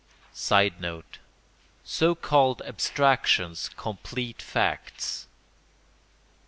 [Sidenote: So called abstractions complete facts.